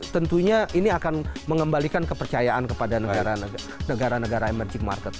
tentunya ini akan mengembalikan kepercayaan kepada negara negara emerging market